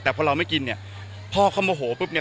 แล้วเราไม่กินพ่อเขาโมโหปุ๊บเนี่ย